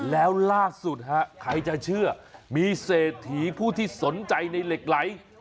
แล้วล่าสุดฮะใครจะเชื่อมีเศรษฐีผู้ที่สนใจในเหล็กไหล